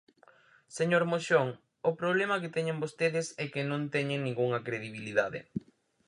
Señor Moxón, o problema que teñen vostedes é que non teñen ningunha credibilidade.